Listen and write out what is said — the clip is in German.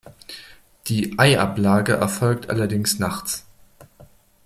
Die Eiablage erfolgt allerdings nachts.